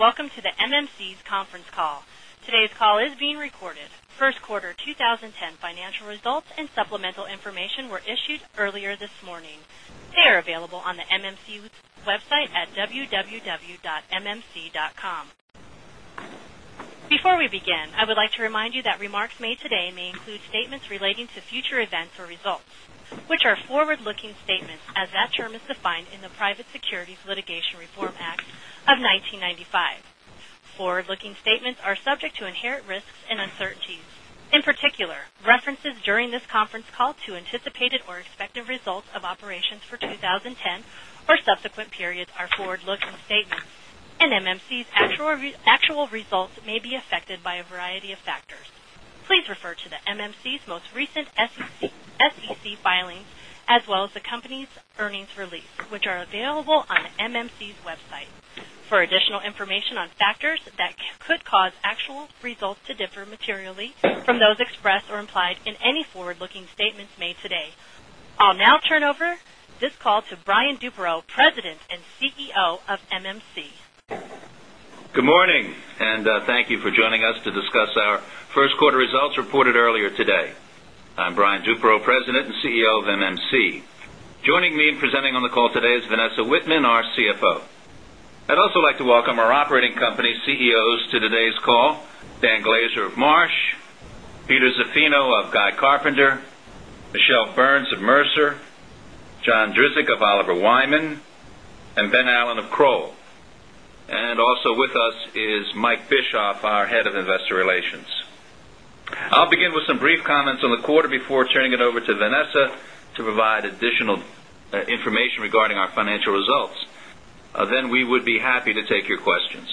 Welcome to the MMC's conference call. Today's call is being recorded. First quarter 2010 financial results and supplemental information were issued earlier this morning. They are available on the MMC website at www.mmc.com. Before we begin, I would like to remind you that remarks made today may include statements relating to future events or results, which are forward-looking statements as that term is defined in the Private Securities Litigation Reform Act of 1995. Forward-looking statements are subject to inherent risks and uncertainties. In particular, references during this conference call to anticipated or expected results of operations for 2010 or subsequent periods are forward-looking statements. MMC's actual results may be affected by a variety of factors. Please refer to the MMC's most recent SEC filings, as well as the company's earnings release, which are available on MMC's website for additional information on factors that could cause actual results to differ materially from those expressed or implied in any forward-looking statements made today. I'll now turn over this call to Brian Duperreault, President and CEO of MMC. Good morning. Thank you for joining us to discuss our first quarter results reported earlier today. I'm Brian Duperreault, President and CEO of MMC. Joining me in presenting on the call today is Vanessa Wittman, our CFO. I'd also like to welcome our operating company CEOs to today's call, Dan Glaser of Marsh, Peter Zaffino of Guy Carpenter, Michele Burns of Mercer, John Drzik of Oliver Wyman, and Ben Allen of Kroll. Also with us is Mike Bischof, our head of investor relations. I'll begin with some brief comments on the quarter before turning it over to Vanessa to provide additional information regarding our financial results. We would be happy to take your questions.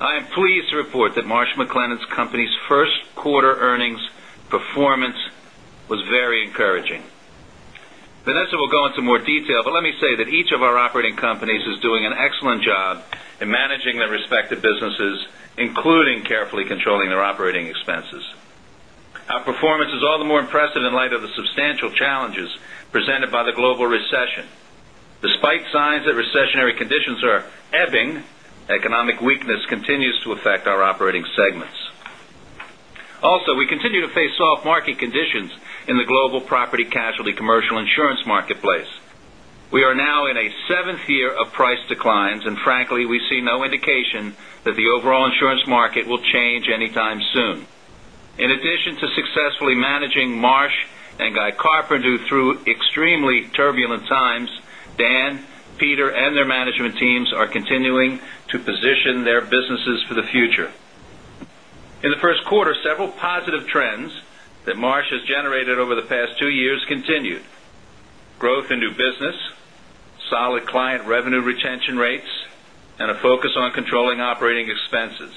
I am pleased to report that Marsh & McLennan Companies' first quarter earnings performance was very encouraging. Vanessa will go into more detail. Let me say that each of our operating companies is doing an excellent job in managing their respective businesses, including carefully controlling their operating expenses. Our performance is all the more impressive in light of the substantial challenges presented by the global recession. Despite signs that recessionary conditions are ebbing, economic weakness continues to affect our operating segments. Also, we continue to face soft market conditions in the global property casualty commercial insurance marketplace. We are now in a seventh year of price declines. Frankly, we see no indication that the overall insurance market will change anytime soon. In addition to successfully managing Marsh & Guy Carpenter through extremely turbulent times, Dan, Peter, and their management teams are continuing to position their businesses for the future. In the first quarter, several positive trends that Marsh has generated over the past two years continued. Growth in new business, solid client revenue retention rates, and a focus on controlling operating expenses.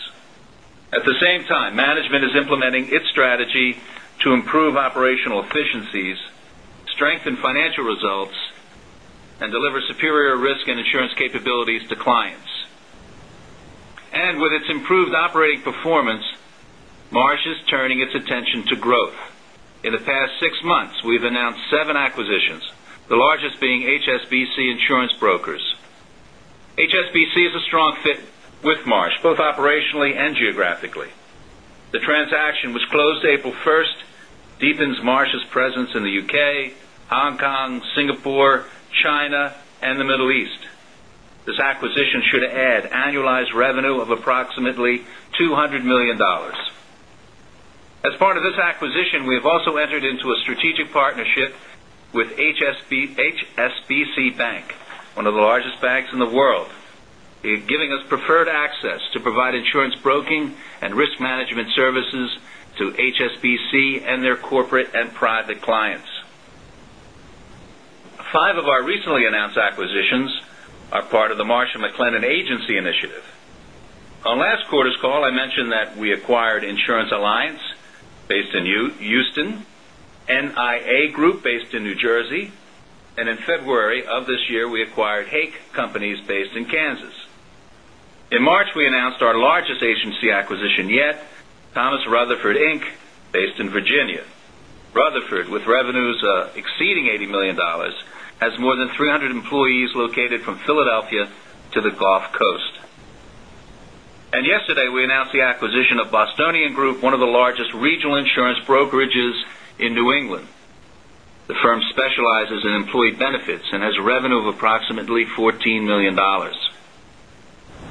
At the same time, management is implementing its strategy to improve operational efficiencies, strengthen financial results, and deliver superior risk and insurance capabilities to clients. With its improved operating performance, Marsh is turning its attention to growth. In the past six months, we've announced seven acquisitions, the largest being HSBC Insurance Brokers. HSBC is a strong fit with Marsh, both operationally and geographically. The transaction, which closed April 1, deepens Marsh's presence in the U.K., Hong Kong, Singapore, China, and the Middle East. This acquisition should add annualized revenue of approximately $200 million. As part of this acquisition, we have also entered into a strategic partnership with HSBC Bank, one of the largest banks in the world, giving us preferred access to provide insurance broking and risk management services to HSBC and their corporate and private clients. Five of our recently announced acquisitions are part of the Marsh & McLennan Agency initiative. On last quarter's call, I mentioned that we acquired Insurance Alliance based in Houston, NIA Group based in New Jersey, and in February of this year, we acquired Haake Companies based in Kansas. In March, we announced our largest agency acquisition yet, Thomas Rutherfoord, Inc., based in Virginia. Rutherfoord, with revenues exceeding $80 million, has more than 300 employees located from Philadelphia to the Gulf Coast. Yesterday, we announced the acquisition of The Bostonian Group, one of the largest regional insurance brokerages in New England. The firm specializes in employee benefits and has revenue of approximately $14 million.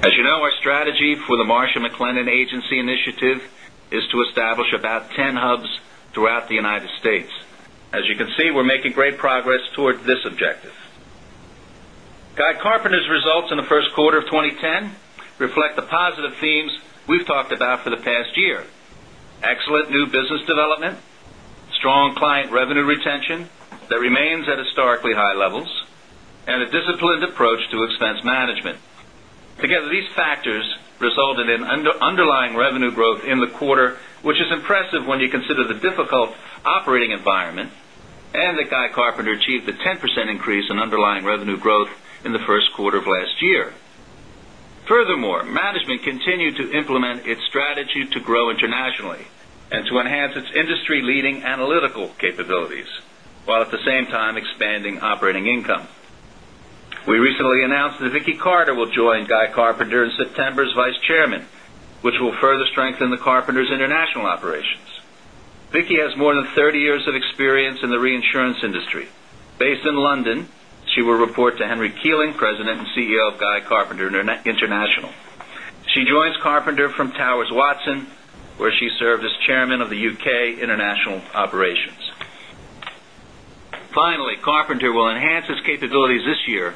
As you know, our strategy for the Marsh & McLennan Agency initiative is to establish about 10 hubs throughout the United States. As you can see, we're making great progress towards this objective. Guy Carpenter's results in the first quarter of 2010 reflect the positive themes we've talked about for the past year. Excellent new business development, strong client revenue retention that remains at historically high levels, and a disciplined approach to expense management. Together, these factors resulted in underlying revenue growth in the quarter, which is impressive when you consider the difficult operating environment and that Guy Carpenter achieved a 10% increase in underlying revenue growth in the first quarter of last year. Furthermore, management continued to implement its strategy to grow internationally and to enhance its industry-leading analytical capabilities, while at the same time expanding operating income. We recently announced that Vicky Carter will join Guy Carpenter in September as Vice Chairman, which will further strengthen the Carpenter's international operations. Vicky has more than 30 years of experience in the reinsurance industry. Based in London, she will report to Henry Keeling, President and CEO of Guy Carpenter International. She joins Carpenter from Towers Watson, where she served as chairman of the U.K. International Operations. Finally, Carpenter will enhance its capabilities this year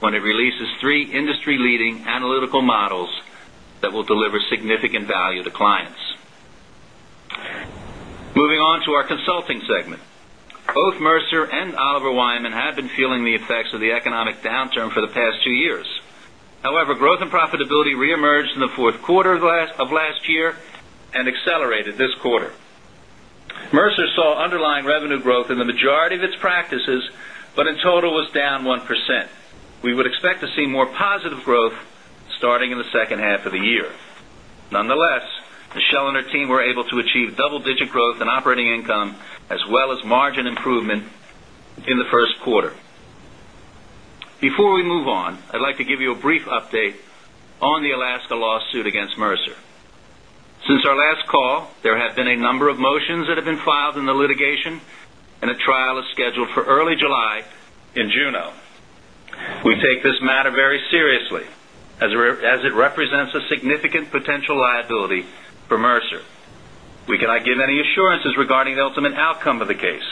when it releases three industry-leading analytical models that will deliver significant value to clients. Moving on to our consulting segment. Both Mercer and Oliver Wyman have been feeling the effects of the economic downturn for the past two years. Growth and profitability reemerged in the fourth quarter of last year and accelerated this quarter. Mercer saw underlying revenue growth in the majority of its practices, but in total was down 1%. We would expect to see more positive growth starting in the second half of the year. Nonetheless, Michele and her team were able to achieve double-digit growth in operating income as well as margin improvement in the first quarter. Before we move on, I'd like to give you a brief update on the Alaska lawsuit against Mercer. Our last call, there have been a number of motions that have been filed in the litigation, and a trial is scheduled for early July in Juneau. We take this matter very seriously, as it represents a significant potential liability for Mercer. We cannot give any assurances regarding the ultimate outcome of the case.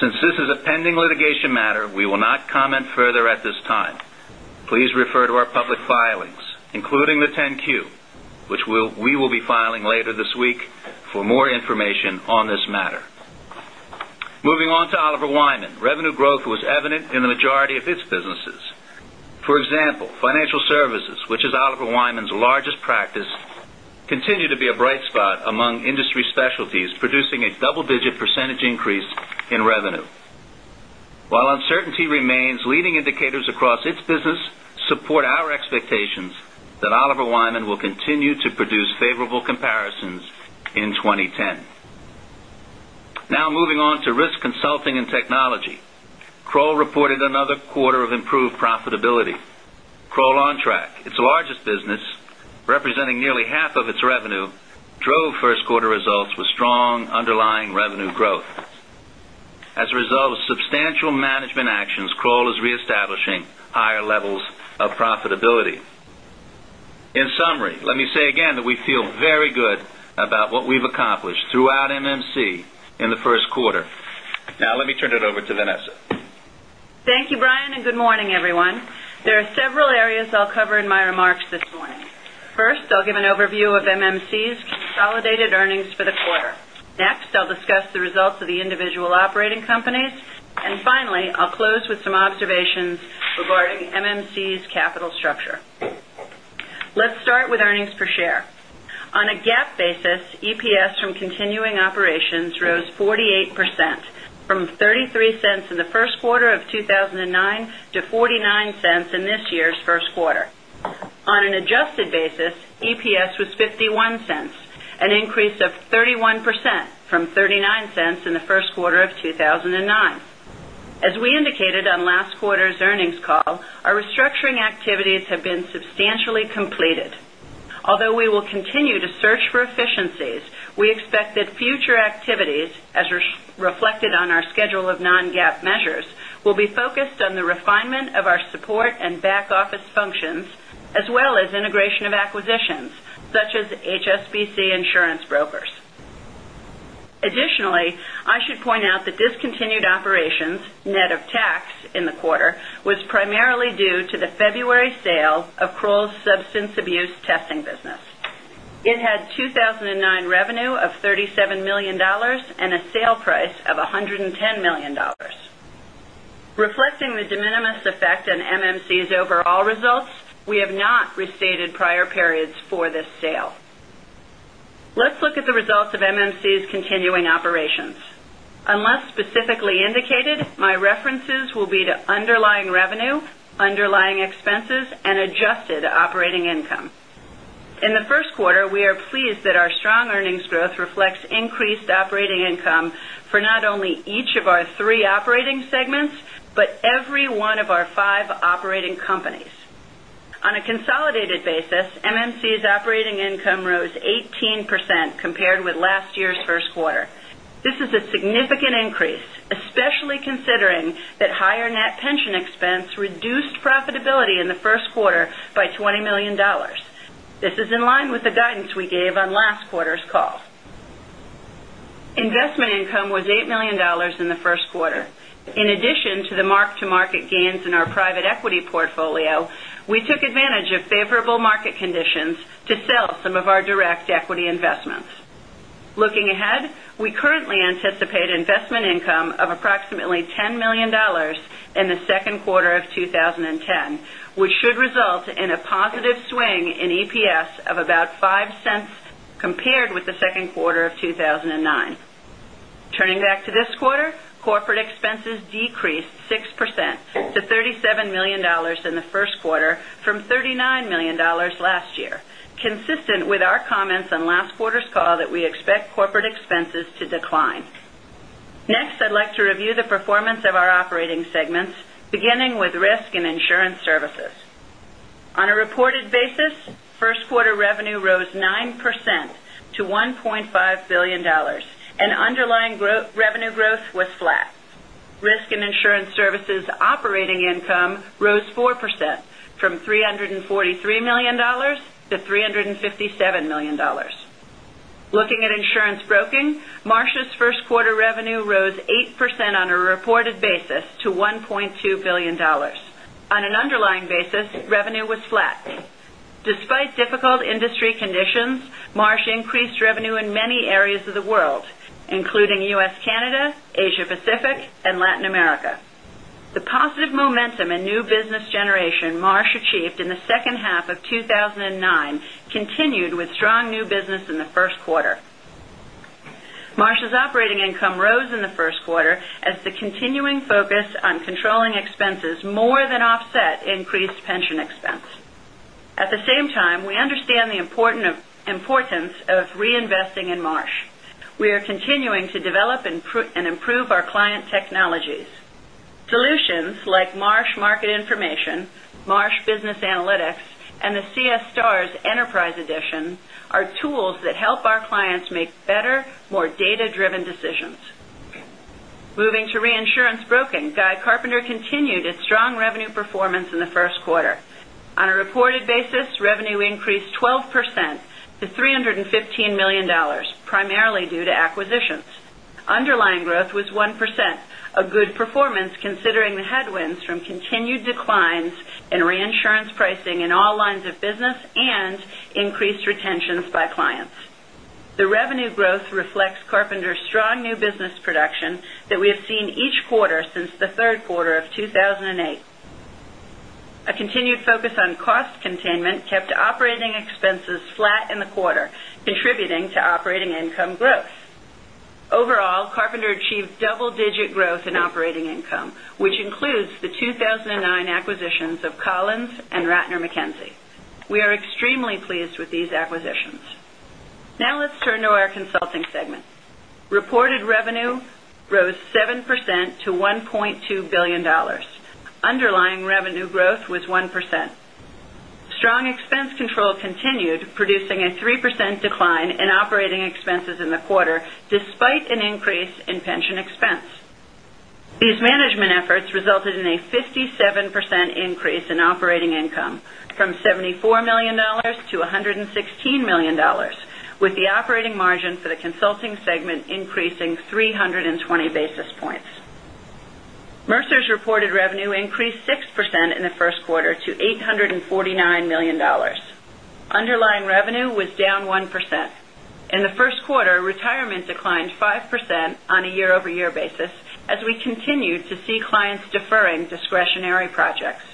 This is a pending litigation matter, we will not comment further at this time. Please refer to our public filings, including the 10-Q, which we will be filing later this week, for more information on this matter. Moving on to Oliver Wyman. Revenue growth was evident in the majority of its businesses. For example, financial services, which is Oliver Wyman's largest practice, continue to be a bright spot among industry specialties, producing a double-digit percentage increase in revenue. While uncertainty remains, leading indicators across its business support our expectations that Oliver Wyman will continue to produce favorable comparisons in 2010. Now, moving on to risk consulting and technology. Kroll reported another quarter of improved profitability. Kroll Ontrack, its largest business, representing nearly half of its revenue, drove first quarter results with strong underlying revenue growth. As a result of substantial management actions, Kroll is reestablishing higher levels of profitability. Let me say again that we feel very good about what we've accomplished throughout MMC in the first quarter. Now, let me turn it over to Vanessa. Thank you, Brian, and good morning, everyone. There are several areas I'll cover in my remarks this morning. First, I'll give an overview of MMC's consolidated earnings for the quarter. Next, I'll discuss the results of the individual operating companies, and finally, I'll close with some observations regarding MMC's capital structure. Let's start with earnings per share. On a GAAP basis, EPS from continuing operations rose 48%, from $0.33 in the first quarter of 2009 to $0.49 in this year's first quarter. On an adjusted basis, EPS was $0.51, an increase of 31% from $0.39 in the first quarter of 2009. As we indicated on last quarter's earnings call, our restructuring activities have been substantially completed. Although we will continue to search for efficiencies, we expect that future activities, as reflected on our schedule of non-GAAP measures, will be focused on the refinement of our support and back-office functions, as well as integration of acquisitions, such as HSBC Insurance Brokers. Additionally, I should point out that discontinued operations, net of tax in the quarter, was primarily due to the February sale of Kroll's substance abuse testing business. It had 2009 revenue of $37 million and a sale price of $110 million. Reflecting the de minimis effect on MMC's overall results, we have not restated prior periods for this sale. Let's look at the results of MMC's continuing operations. Unless specifically indicated, my references will be to underlying revenue, underlying expenses, and adjusted operating income. In the first quarter, we are pleased that our strong earnings growth reflects increased operating income for not only each of our three operating segments, but every one of our five operating companies. On a consolidated basis, MMC's operating income rose 18% compared with last year's first quarter. This is a significant increase, especially considering that higher net pension expense reduced profitability in the first quarter by $20 million. This is in line with the guidance we gave on last quarter's call. Investment income was $8 million in the first quarter. In addition to the mark-to-market gains in our private equity portfolio, we took advantage of favorable market conditions to sell some of our direct equity investments. Looking ahead, we currently anticipate investment income of approximately $10 million in the second quarter of 2010, which should result in a positive swing in EPS of about $0.05 compared with the second quarter of 2009. Turning back to this quarter, corporate expenses decreased 6% $37 million in the first quarter from $39 million last year, consistent with our comments on last quarter's call that we expect corporate expenses to decline. Next, I'd like to review the performance of our operating segments, beginning with Risk and Insurance Services. On a reported basis, first quarter revenue rose 9% to $1.5 billion, and underlying revenue growth was flat. Risk and Insurance Services operating income rose 4%, from $343 million to $357 million. Looking at insurance broking, Marsh's first quarter revenue rose 8% on a reported basis to $1.2 billion. On an underlying basis, revenue was flat. Despite difficult industry conditions, Marsh increased revenue in many areas of the world, including U.S., Canada, Asia Pacific, and Latin America. The positive momentum and new business generation Marsh achieved in the second half of 2009 continued with strong new business in the first quarter. Marsh's operating income rose in the first quarter as the continuing focus on controlling expenses more than offset increased pension expense. At the same time, we understand the importance of reinvesting in Marsh. We are continuing to develop and improve our client technologies. Solutions like Marsh Market Information, Marsh Business Analytics, and the CS Stars Enterprise Edition are tools that help our clients make better, more data-driven decisions. Moving to reinsurance broking, Guy Carpenter continued its strong revenue performance in the first quarter. On a reported basis, revenue increased 12% to $315 million, primarily due to acquisitions. Underlying growth was 1%, a good performance considering the headwinds from continued declines in reinsurance pricing in all lines of business and increased retentions by clients. The revenue growth reflects Carpenter's strong new business production that we have seen each quarter since the third quarter of 2008. A continued focus on cost containment kept operating expenses flat in the quarter, contributing to operating income growth. Overall, Carpenter achieved double-digit growth in operating income, which includes the 2009 acquisitions of Collins and Rattner Mackenzie. We are extremely pleased with these acquisitions. Let's turn to our consulting segment. Reported revenue rose 7% to $1.2 billion. Underlying revenue growth was 1%. Strong expense control continued, producing a 3% decline in operating expenses in the quarter, despite an increase in pension expense. These management efforts resulted in a 57% increase in operating income from $74 million to $116 million, with the operating margin for the consulting segment increasing 320 basis points. Mercer's reported revenue increased 6% in the first quarter to $849 million. Underlying revenue was down 1%. In the first quarter, retirement declined 5% on a year-over-year basis as we continued to see clients deferring discretionary projects.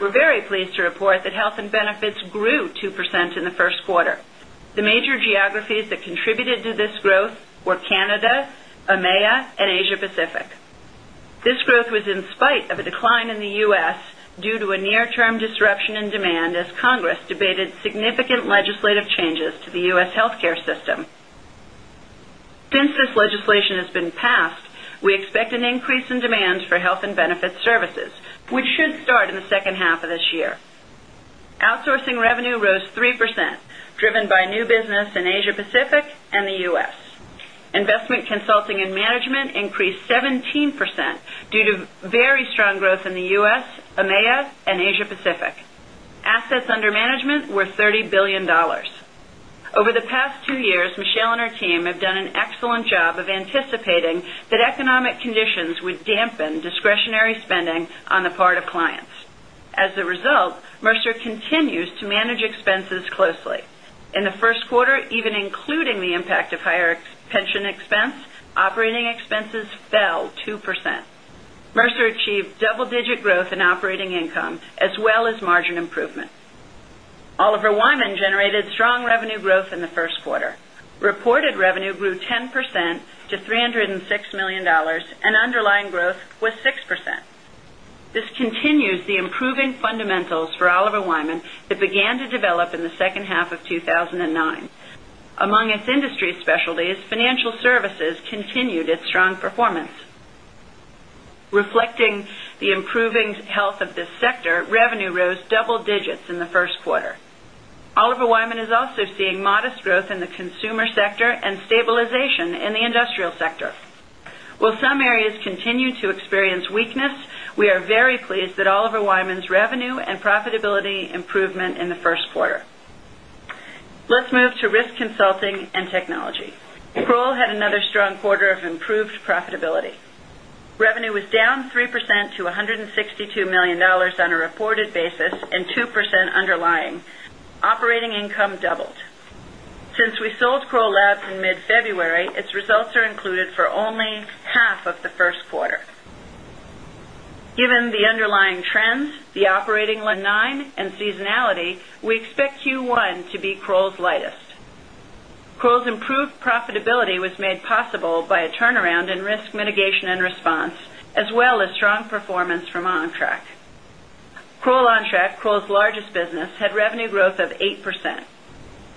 We're very pleased to report that health and benefits grew 2% in the first quarter. The major geographies that contributed to this growth were Canada, EMEA, and Asia Pacific. This growth was in spite of a decline in the U.S. due to a near-term disruption in demand as Congress debated significant legislative changes to the U.S. healthcare system. Since this legislation has been passed, we expect an increase in demand for health and benefit services, which should start in the second half of this year. Outsourcing revenue rose 3%, driven by new business in Asia Pacific and the U.S. Investment consulting and management increased 17% due to very strong growth in the U.S., EMEA, and Asia Pacific. Assets under management were $30 billion. Over the past two years, Michele and her team have done an excellent job of anticipating that economic conditions would dampen discretionary spending on the part of clients. As a result, Mercer continues to manage expenses closely. In the first quarter, even including the impact of higher pension expense, operating expenses fell 2%. Mercer achieved double-digit growth in operating income as well as margin improvement. Oliver Wyman generated strong revenue growth in the first quarter. Reported revenue grew 10% to $306 million, underlying growth was 6%. This continues the improving fundamentals for Oliver Wyman that began to develop in the second half of 2009. Among its industry specialties, financial services continued its strong performance. Reflecting the improving health of this sector, revenue rose double digits in the first quarter. Oliver Wyman is also seeing modest growth in the consumer sector and stabilization in the industrial sector. While some areas continue to experience weakness, we are very pleased that Oliver Wyman's revenue and profitability improvement in the first quarter. Let's move to risk consulting and technology. Kroll had another strong quarter of improved profitability. Revenue was down 3% to $162 million on a reported basis and 2% underlying. Operating income doubled. Since we sold Kroll Lab in mid-February, its results are included for only half of the first quarter. Given the underlying trends, the operating, and seasonality, we expect Q1 to be Kroll's improved profitability was made possible by a turnaround in risk mitigation and response, as well as strong performance from OnTrack. Kroll Ontrack, Kroll's largest business, had revenue growth of 8%.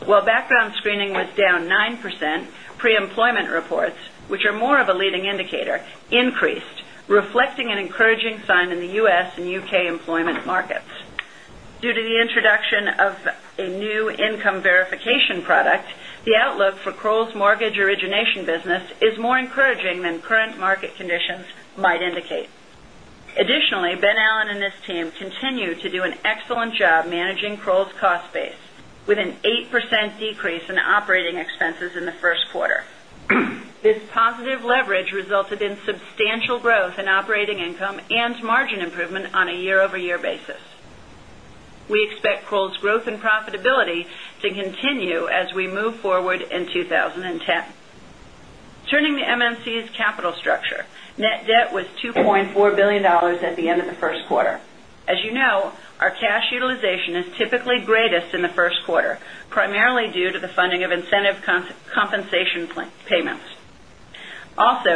While background screening was down 9%, pre-employment reports, which are more of a leading indicator, increased, reflecting an encouraging sign in the U.S. and U.K. employment markets. Due to the introduction of a new income verification product, the outlook for Kroll's mortgage origination business is more encouraging than current market conditions might indicate. Additionally, Ben Allen and his team continue to do an excellent job managing Kroll's cost base, with an 8% decrease in operating expenses in the first quarter. This positive leverage resulted in substantial growth in operating income and margin improvement on a year-over-year basis. We expect Kroll's growth and profitability to continue as we move forward in 2010. Turning to MMC's capital structure, net debt was $2.4 billion at the end of the first quarter. As you know, our cash utilization is typically greatest in the first quarter, primarily due to the funding of incentive compensation payments.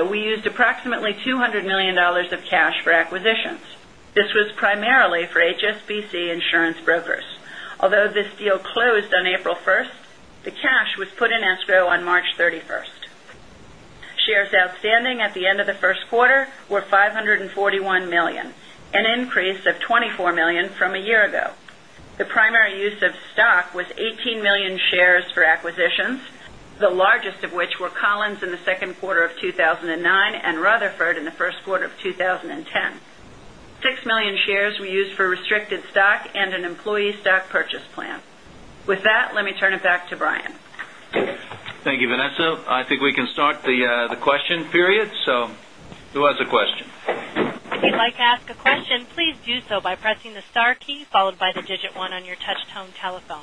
We used approximately $200 million of cash for acquisitions. This was primarily for HSBC Insurance Brokers. Although this deal closed on April 1st, the cash was put in escrow on March 31st. Shares outstanding at the end of the first quarter were 541 million, an increase of 24 million from a year ago. The primary use of stock was 18 million shares for acquisitions, the largest of which were Collins in the second quarter of 2009 and Rutherfoord in the first quarter of 2010. Six million shares were used for restricted stock and an employee stock purchase plan. With that, let me turn it back to Brian. Thank you, Vanessa. I think we can start the question period. Who has a question? If you'd like to ask a question, please do so by pressing the star key, followed by the digit one on your touch tone telephone.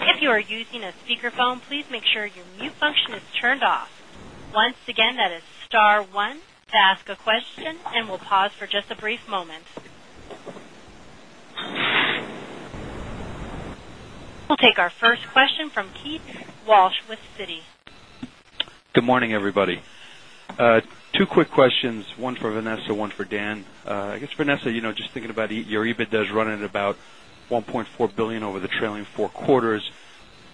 If you are using a speakerphone, please make sure your mute function is turned off. Once again, that is star one to ask a question, and we'll pause for just a brief moment. We'll take our first question from Keith Walsh with Citi. Good morning, everybody. Two quick questions, one for Vanessa, one for Dan. I guess, Vanessa, just thinking about your EBITDA running about $1.4 billion over the trailing four quarters.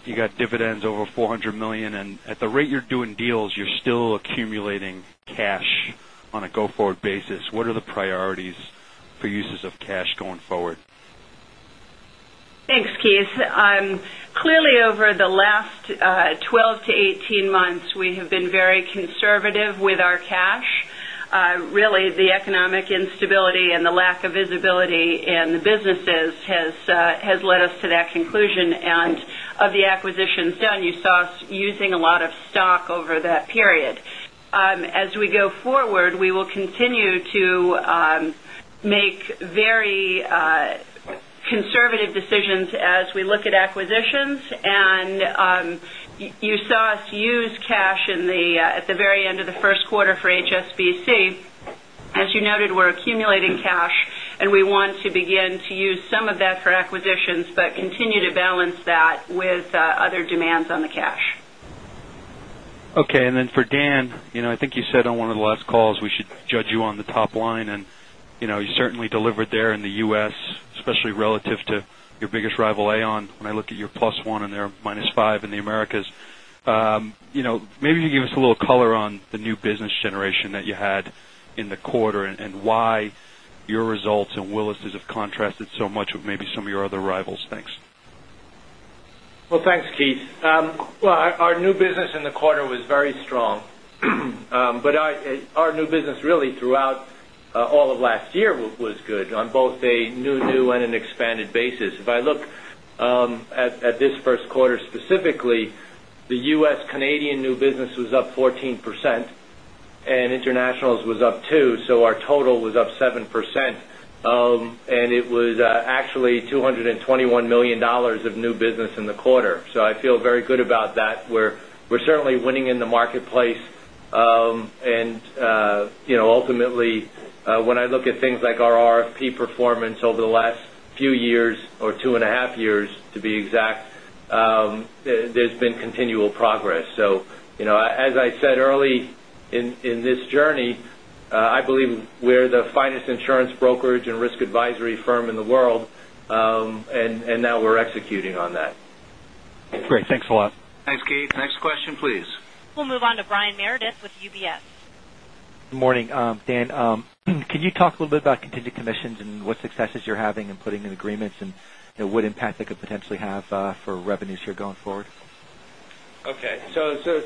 You got dividends over $400 million, at the rate you're doing deals, you're still accumulating cash on a go-forward basis. What are the priorities for uses of cash going forward? Thanks, Keith. Clearly, over the last 12 to 18 months, we have been very conservative with our cash. Really, the economic instability and the lack of visibility in the businesses has led us to that conclusion, of the acquisitions done, you saw us using a lot of stock over that period. As we go forward, we will continue to make very conservative decisions as we look at acquisitions, you saw us use cash at the very end of the first quarter for HSBC. As you noted, we're accumulating cash, we want to begin to use some of that for acquisitions, continue to balance that with other demands on the cash. Okay, for Dan, I think you said on one of the last calls we should judge you on the top line, you certainly delivered there in the U.S., especially relative to your biggest rival, Aon, when I look at your plus one and their minus five in the Americas. Maybe you can give us a little color on the new business generation that you had in the quarter, why your results and Willis's have contrasted so much with maybe some of your other rivals. Thanks. Well, thanks, Keith. Well, our new business in the quarter was very strong. Our new business really throughout all of last year was good on both a new-new and an expanded basis. If I look at this first quarter specifically, the U.S.-Canadian new business was up 14%, and internationals was up 2%. Our total was up 7%, and it was actually $221 million of new business in the quarter. I feel very good about that. We're certainly winning in the marketplace, and ultimately, when I look at things like our RFP performance over the last few years, or two and a half years to be exact, there's been continual progress. As I said early in this journey, I believe we're the finest insurance brokerage and risk advisory firm in the world, and now we're executing on that. Great. Thanks a lot. Thanks, Keith. Next question, please. We'll move on to Brian Meredith with UBS. Good morning. Dan, can you talk a little bit about contingent commissions, What successes you're having in putting in agreements and what impact that could potentially have for revenues here going forward? Okay,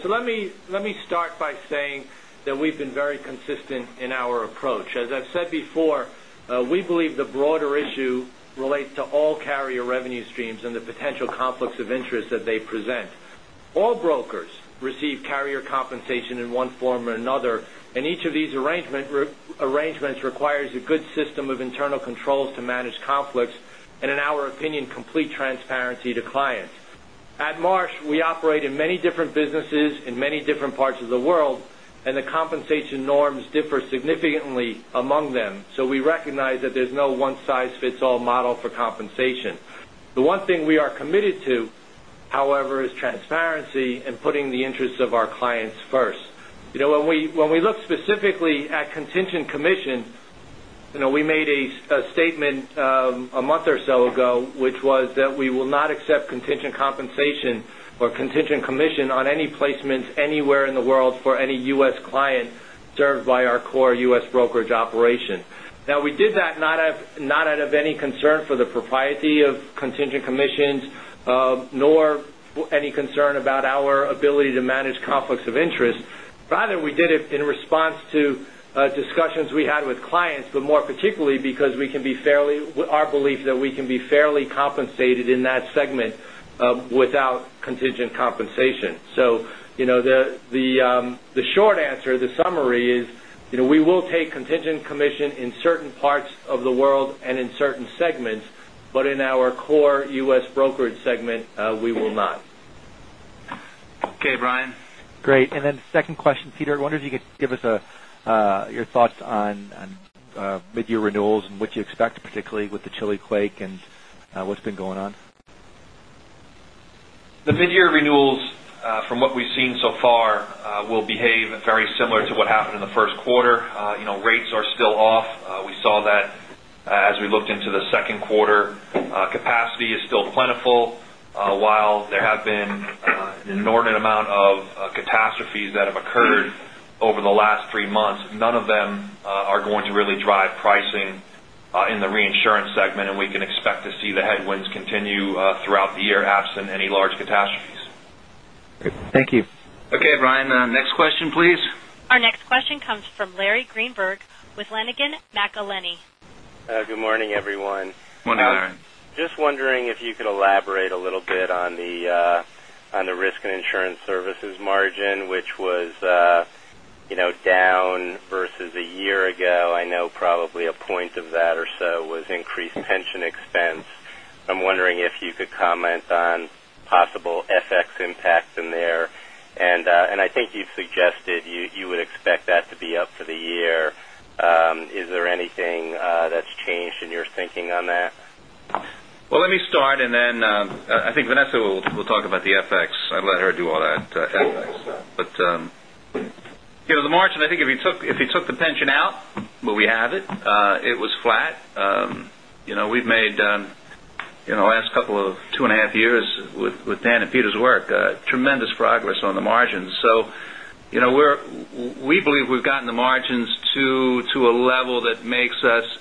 let me start by saying that we've been very consistent in our approach. As I've said before, we believe the broader issue relates to all carrier revenue streams and the potential conflicts of interest that they present. All brokers receive carrier compensation in one form or another, each of these arrangements requires a good system of internal controls to manage conflicts and, in our opinion, complete transparency to clients. At Marsh, we operate in many different businesses in many different parts of the world. The compensation norms differ significantly among them. We recognize that there's no one-size-fits-all model for compensation. The one thing we are committed to, however, is transparency and putting the interests of our clients first. When we look specifically at contingent commission, we made a statement a month or so ago, which was that we will not accept contingent compensation or contingent commission on any placements anywhere in the world for any U.S. client served by our core U.S. brokerage operation. We did that not out of any concern for the propriety of contingent commissions, nor any concern about our ability to manage conflicts of interest. Rather, we did it in response to discussions we had with clients, more particularly because our belief that we can be fairly compensated in that segment without contingent compensation. The short answer, the summary is, we will take contingent commission in certain parts of the world in certain segments, in our core U.S. brokerage segment, we will not. Okay, Brian. Great. Then second question, Peter, I wonder if you could give us your thoughts on mid-year renewals and what you expect, particularly with the Chile quake and what's been going on. The mid-year renewals, from what we've seen so far, will behave very similar to what happened in the first quarter. Rates are still off. We saw that as we looked into the second quarter. Capacity is still plentiful. While there have been an inordinate amount of catastrophes that have occurred over the last three months, none of them are going to really drive pricing in the reinsurance segment, and we can expect to see the headwinds continue throughout the year, absent any large catastrophes. Great. Thank you. Okay, Brian, next question, please. Our next question comes from Larry Greenberg with Langen McAlenney. Good morning, everyone. Morning, Larry. Just wondering if you could elaborate a little bit on the risk and insurance services margin, which was down versus a year ago. I know probably one point of that or so was increased pension expense. I am wondering if you could comment on possible FX impact in there. I think you suggested you would expect that to be up for the year. Is there anything that is changed in your thinking on that? Well, let me start. Then I think Vanessa will talk about the FX. I let her do all that FX stuff. The margin, I think if you took the pension out, where we have it was flat. We have made, last couple of two and a half years with Dan and Peter's work, tremendous progress on the margins. We believe we have gotten the margins to a level that makes us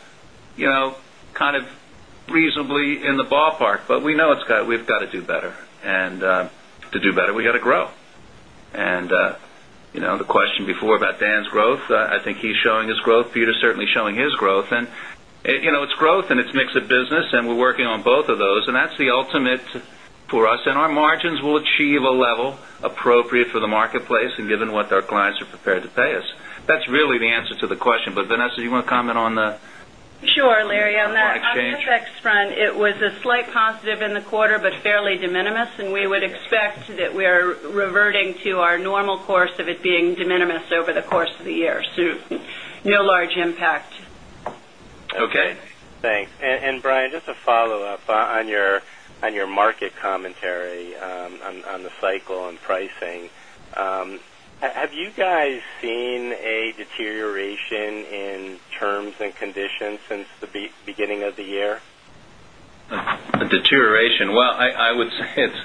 kind of reasonably in the ballpark. We know we have got to do better, and to do better, we have got to grow. The question before about Dan's growth, I think he is showing his growth. Peter is certainly showing his growth. It is growth and it is mix of business and we are working on both of those, and that is the ultimate for us. Our margins will achieve a level appropriate for the marketplace and given what our clients are prepared to pay us. That is really the answer to the question. Vanessa, you want to comment on the foreign exchange? Sure, Larry. On the FX front, it was a slight positive in the quarter, fairly de minimis. We would expect that we are reverting to our normal course of it being de minimis over the course of the year. No large impact. Okay. Thanks. Brian, just a follow-up on your market commentary on the cycle and pricing. Have you guys seen a deterioration in terms and conditions since the beginning of the year? A deterioration. Well, I would say it's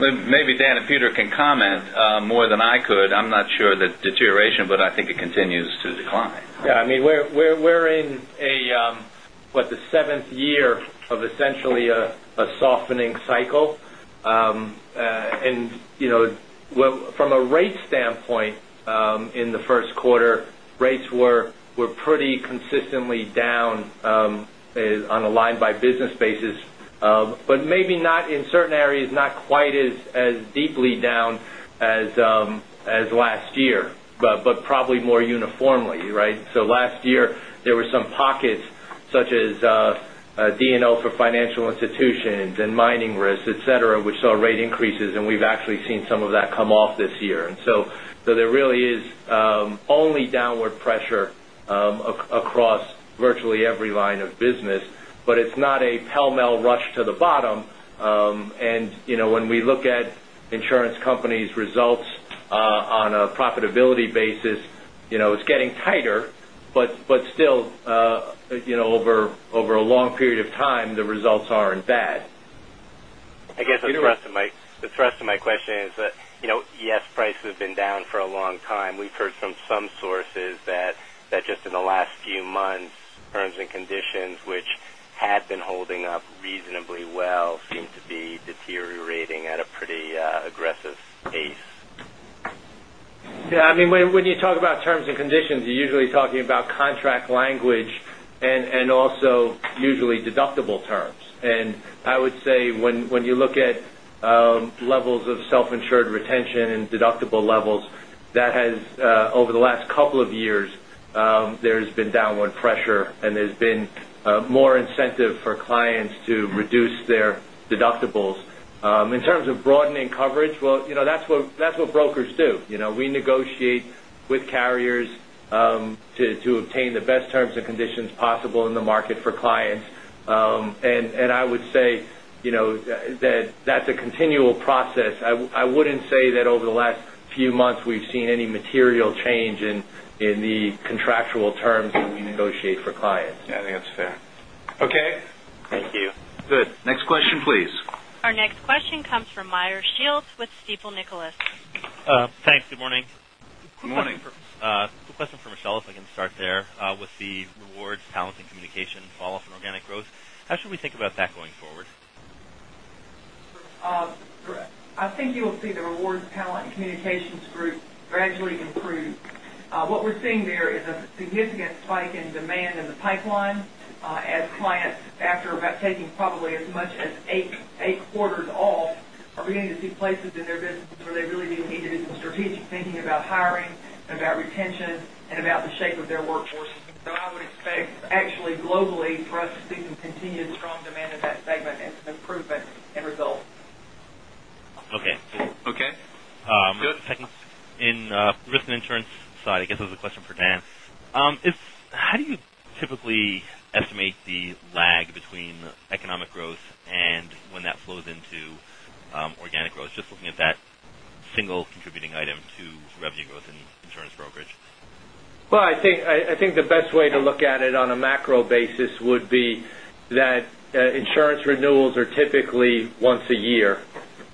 maybe Dan and Peter can comment more than I could. I'm not sure the deterioration, but I think it continues to decline. Yeah, we're in what, the seventh year of essentially a softening cycle. From a rate standpoint, in the first quarter, rates were pretty consistently down on a line by business basis. Maybe not in certain areas, not quite as deeply down as last year, but probably more uniformly, right? Last year, there were some pockets, such as D&O for financial institutions and mining risks, et cetera, which saw rate increases, and we've actually seen some of that come off this year. There really is only downward pressure across virtually every line of business, but it's not a pell mell rush to the bottom. When we look at insurance companies' results on a profitability basis, it's getting tighter, but still, over a long period of time, the results aren't bad. I guess the thrust of my question is that, yes, prices have been down for a long time. We've heard from some sources that just in the last few months, terms and conditions which had been holding up reasonably well seem to be deteriorating at a pretty aggressive pace. Yeah, when you talk about terms and conditions, you're usually talking about contract language and also usually deductible terms. I would say when you look at levels of self-insured retention and deductible levels, that has over the last two years, there's been downward pressure and there's been more incentive for clients to reduce their deductibles. In terms of broadening coverage, well, that's what brokers do. We negotiate with carriers to obtain the best terms and conditions possible in the market for clients. I would say that's a continual process. I wouldn't say that over the last few months, we've seen any material change in the contractual terms that we negotiate for clients. I think that's fair. Okay. Thank you. Good. Next question, please. Our next question comes from Meyer Shields with Stifel Nicolaus. Thanks. Good morning. Good morning. Quick question for Michele, if I can start there. With the Rewards, Talent, and Communication falloff in organic growth, how should we think about that going forward? I think you will see the Rewards, Talent, and Communication group gradually improve. What we're seeing there is a significant spike in demand in the pipeline as clients, after about taking probably as much as eight quarters off, are beginning to see places in their businesses where they really do need to do some strategic thinking about hiring, and about retention, and about the shape of their workforce. I would expect, actually globally, for us to see some continued strong demand in that segment and some improvement in results. Okay. Okay. Good. Second, in risk and insurance side, I guess this is a question for Dan. How do you typically estimate the lag between economic growth and when that flows into organic growth? Just looking at that single contributing item to revenue growth in insurance brokerage. I think the best way to look at it on a macro basis would be that insurance renewals are typically once a year.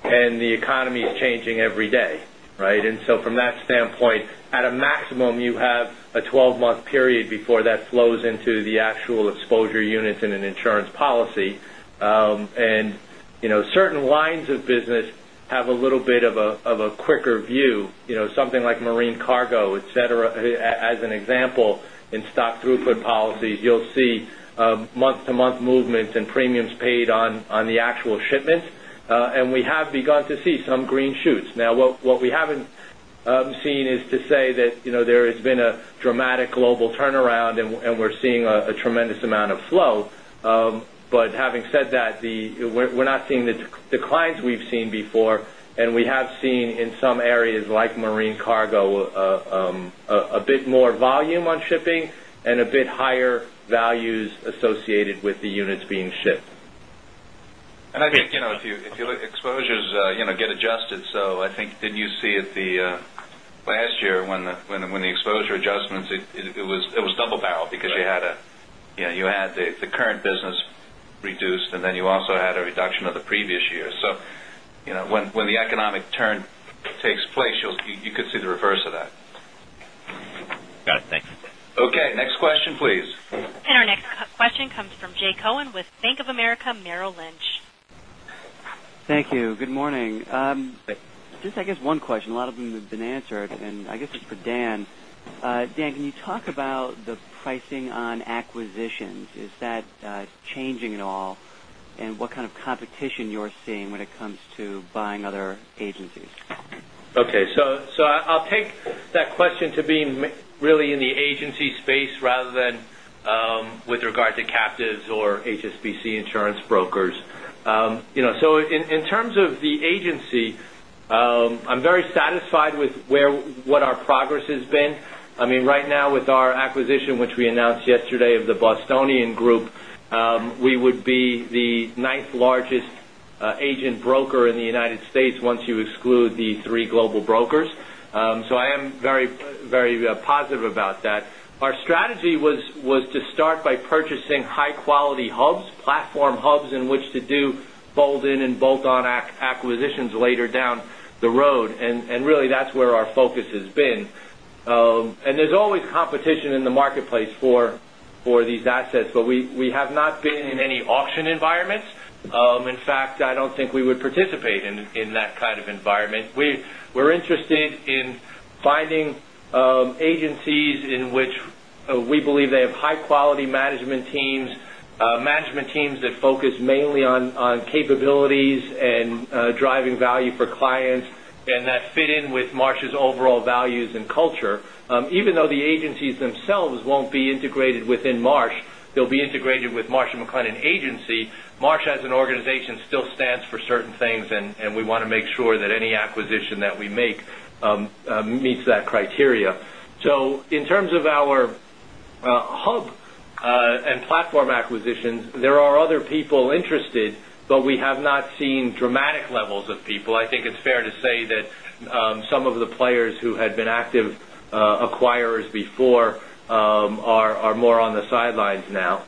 The economy is changing every day. Right? From that standpoint, at a maximum, you have a 12-month period before that flows into the actual exposure units in an insurance policy. Certain lines of business have a little bit of a quicker view. Something like marine cargo, et cetera, as an example, in stock throughput policies, you'll see month-to-month movements and premiums paid on the actual shipments. We have begun to see some green shoots. Now, what we haven't seen is to say that there has been a dramatic global turnaround and we're seeing a tremendous amount of flow. Having said that, we're not seeing the declines we've seen before. We have seen in some areas, like marine cargo, a bit more volume on shipping and a bit higher values associated with the units being shipped. I think, if you look, exposures get adjusted. I think then you see it the last year when the exposure adjustments, it was double barrel because you had the current business reduced. Then you also had a reduction of the previous year. When the economic turn takes place, you could see the reverse of that. Got it. Thanks. Okay. Next question, please. Our next question comes from Jay Cohen with Bank of America Merrill Lynch. Thank you. Good morning. Good day. I guess one question. A lot of them have been answered. I guess it's for Dan. Dan, can you talk about the pricing on acquisitions? Is that changing at all? What kind of competition you're seeing when it comes to buying other agencies? I'll take that question to being really in the agency space rather than with regard to captives or HSBC Insurance Brokers. In terms of the agency, I'm very satisfied with what our progress has been. Right now with our acquisition, which we announced yesterday of The Bostonian Group, we would be the ninth-largest agent broker in the U.S. once you exclude the three global brokers. I am very positive about that. Our strategy was to start by purchasing high-quality hubs, platform hubs in which to do fold-in and bolt-on acquisitions later down the road. Really, that's where our focus has been. There's always competition in the marketplace for these assets, but we have not been in any auction environments. In fact, I don't think we would participate in that kind of environment. We're interested in finding agencies in which we believe they have high-quality management teams, management teams that focus mainly on capabilities and driving value for clients, and that fit in with Marsh's overall values and culture. Even though the agencies themselves won't be integrated within Marsh, they'll be integrated with Marsh & McLennan Agency. Marsh, as an organization, still stands for certain things. We want to make sure that any acquisition that we make meets that criteria. In terms of our hub and platform acquisitions, there are other people interested, but we have not seen dramatic levels of people. I think it's fair to say that some of the players who had been active acquirers before are more on the sidelines now.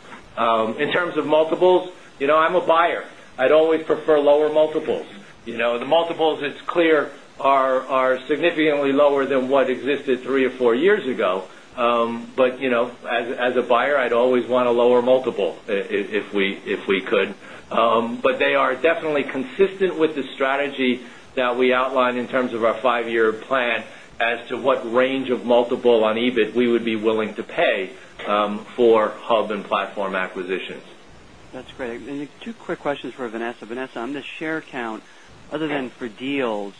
In terms of multiples, I'm a buyer. I'd always prefer lower multiples. The multiples, it's clear, are significantly lower than what existed three or four years ago. As a buyer, I'd always want a lower multiple if we could. They are definitely consistent with the strategy that we outlined in terms of our five-year plan as to what range of multiple on EBIT we would be willing to pay for hub and platform acquisitions. That's great. Two quick questions for Vanessa. Vanessa, on the share count. Other than for deals,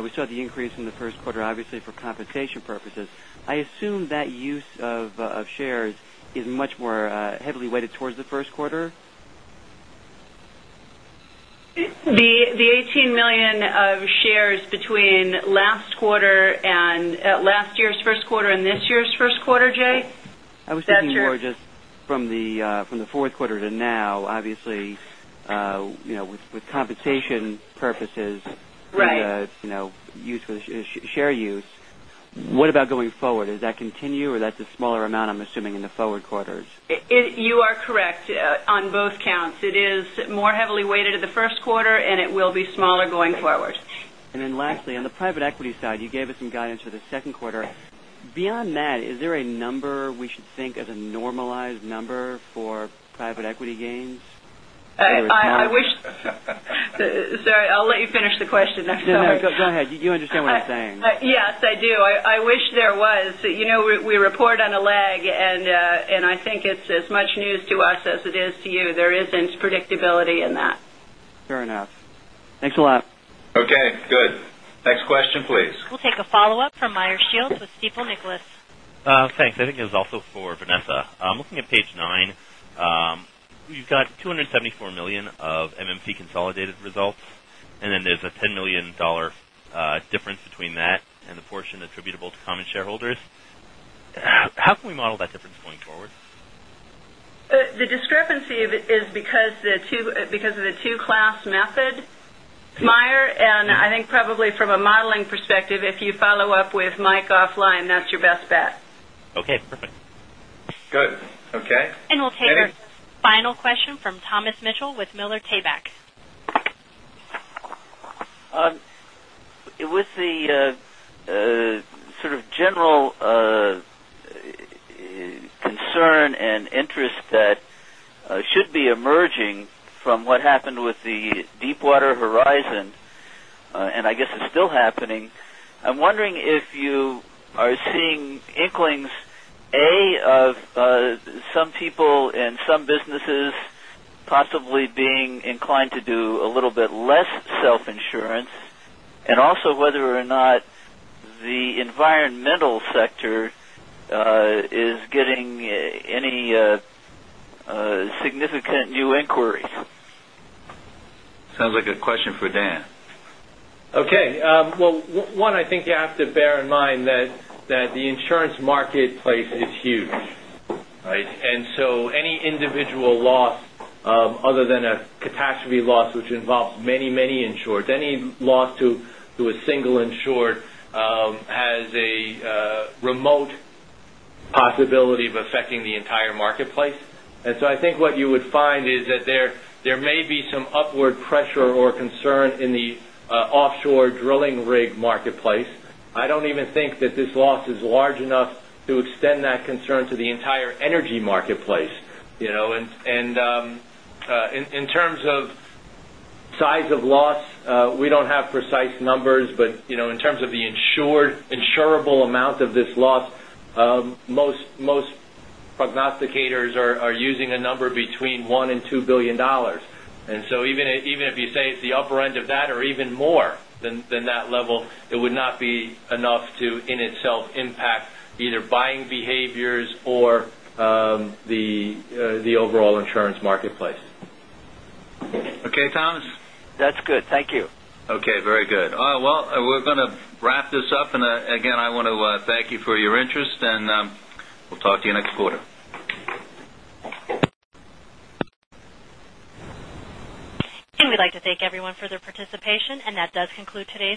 we saw the increase in the first quarter, obviously for compensation purposes. I assume that use of shares is much more heavily weighted towards the first quarter? The 18 million of shares between last year's first quarter and this year's first quarter, Jay? I was thinking more just from the fourth quarter to now, obviously, with compensation purposes. Right. Share use. What about going forward? Does that continue, or that's a smaller amount, I'm assuming, in the forward quarters? You are correct on both counts. It is more heavily weighted in the first quarter, and it will be smaller going forward. Lastly, on the private equity side, you gave us some guidance for the second quarter. Beyond that, is there a number we should think of as a normalized number for private equity gains? I wish. Sorry, I'll let you finish the question. I promise. No, go ahead. You understand what I'm saying. Yes, I do. I wish there was. We report on a lag, and I think it's as much news to us as it is to you. There isn't predictability in that. Fair enough. Thanks a lot. Okay, good. Next question, please. We'll take a follow-up from Meyer Shields with Stifel Nicolaus. Thanks. I think it was also for Vanessa. Looking at page nine, you've got $274 million of MMC consolidated results, and then there's a $10 million difference between that and the portion attributable to common shareholders. How can we model that difference going forward? The discrepancy is because of the two-class method, Meyer, and I think probably from a modeling perspective, if you follow up with Mike offline, that's your best bet. Okay, perfect. Good. Okay. We'll take our final question from Thomas Mitchell with Miller Tabak. With the general concern and interest that should be emerging from what happened with the Deepwater Horizon, and I guess it's still happening, I'm wondering if you are seeing inklings, A, of some people and some businesses possibly being inclined to do a little bit less self-insurance, and also whether or not the environmental sector is getting any significant new inquiries. Sounds like a question for Dan. Okay. Well, one, I think you have to bear in mind that the insurance marketplace is huge. Right? Any individual loss, other than a catastrophe loss which involves many insureds, any loss to a single insured has a remote possibility of affecting the entire marketplace. I think what you would find is that there may be some upward pressure or concern in the offshore drilling rig marketplace. I don't even think that this loss is large enough to extend that concern to the entire energy marketplace. In terms of size of loss, we don't have precise numbers, but in terms of the insurable amount of this loss, most prognosticators are using a number between $1 billion and $2 billion. even if you say it's the upper end of that or even more than that level, it would not be enough to, in itself, impact either buying behaviors or the overall insurance marketplace. Okay, Thomas? That's good. Thank you. Okay, very good. All right. Well, we're going to wrap this up. Again, I want to thank you for your interest, and we'll talk to you next quarter. We'd like to thank everyone for their participation, and that does conclude today's.